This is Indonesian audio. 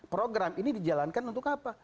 program ini dijalankan untuk apa